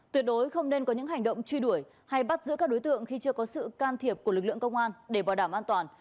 tuyệt đối không nên có những hành động truy đuổi hay bắt giữ các đối tượng khi chưa có sự can thiệp của lực lượng công an để bảo đảm an toàn